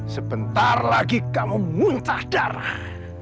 sebentar lagi kamu muntah darah